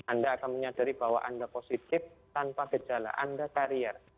anda akan menyadari bahwa anda positif tanpa gejala anda karier